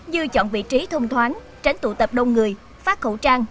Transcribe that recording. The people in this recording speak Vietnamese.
như chọn vị trí thông thoáng tránh tụ tập đông người phát khẩu trang